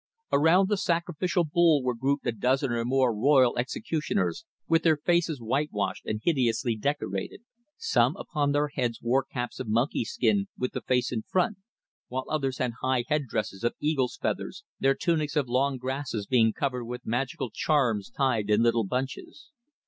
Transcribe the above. Around the sacrificial bowl were grouped a dozen or more royal executioners with their faces whitewashed and hideously decorated. Some upon their heads wore caps of monkey skin with the face in front, while others had high head dresses of eagles' feathers, their tunics of long grasses being covered with magical charms tied in little bunches.